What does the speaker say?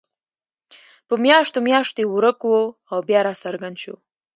په میاشتو میاشتو ورک وو او بیا راڅرګند شو.